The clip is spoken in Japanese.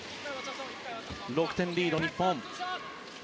６点リードの日本。